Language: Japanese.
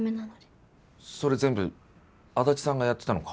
それ全部足立さんがやってたのか？